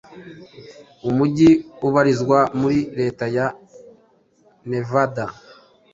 umujyi ubarizwa muri Leta ya Nevada,